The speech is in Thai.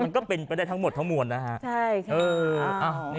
มันก็เป็นไปได้ทั้งหมดทั้งหมวนนะครับ